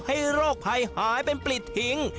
ให้โรคภายหายเป็นปลิดหิง